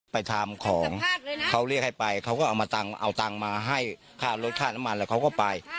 ไปทำของเขาเรียกให้ไปเขาก็เอาเงินมาให้ค่ารถค่าน้ำมันแล้วเขาก็ไป